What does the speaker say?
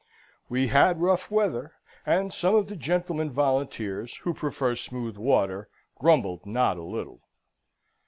We had rough weather, and some of the gentlemen volunteers, who prefer smooth water, grumbled not a little.